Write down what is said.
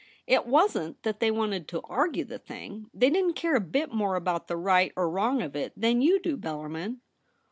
It wasn't that they wanted to argue the thing. They didn't care a bit more about the right or wrong of it than you do, Bellarmin.'